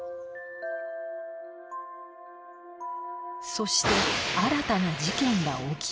そして新たな事件が起きた